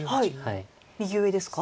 右上ですか？